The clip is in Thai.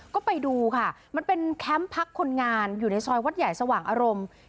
ก็ไปดูค่ะมันเป็นแคมป์พักคนงานอยู่ในซอยวัดใหญ่สว่างอารมณ์